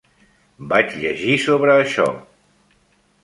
Vaig llegir sobre això.